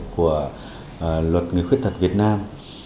của luật người khuyết thật việt nam